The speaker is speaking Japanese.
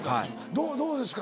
どうですか？